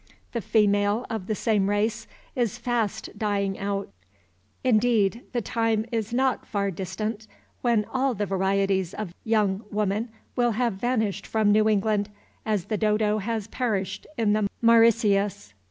The female of the same race is fast dying out; indeed, the time is not far distant when all the varieties of young woman will have vanished from New England, as the dodo has perished in the Mauritius.